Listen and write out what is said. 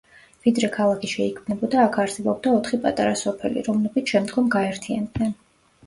ვიდრე ქალაქი შეიქმნებოდა, აქ არსებობდა ოთხი პატარა სოფელი, რომლებიც შემდგომ გაერთიანდნენ.